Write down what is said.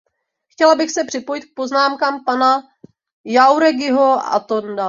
Chtěla bych se připojit k poznámkám pana Jáureguiho Atonda.